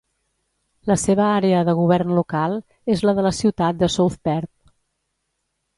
La seva àrea de govern local és la de la ciutat de South Perth.